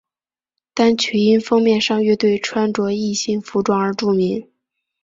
单曲因封面上乐队穿着异性服装而著名。